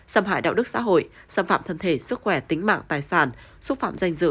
xâm hại đạo đức xã hội xâm phạm thân thể sức khỏe tính mạng tài sản xúc phạm danh dự